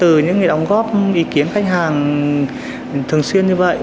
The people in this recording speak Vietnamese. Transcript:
với những người đồng góp ý kiến khách hàng thường xuyên như vậy